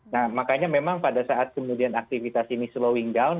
nah makanya memang pada saat kemudian aktivitas ini slowing down